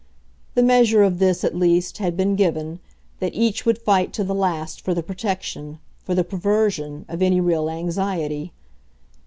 The measure of this, at least, had been given, that each would fight to the last for the protection, for the perversion, of any real anxiety.